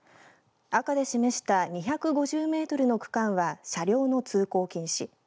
赤で示した２５０メートルの区間は車両の通行禁止。